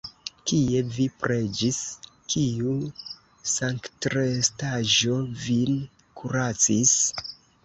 Kie vi preĝis, kiu sanktrestaĵo vin kuracis?